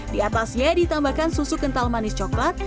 di atasnya ditambahkan susu kental manis coklat